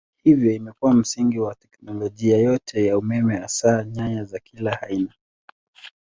Hivyo imekuwa msingi wa teknolojia yote ya umeme hasa nyaya za kila aina.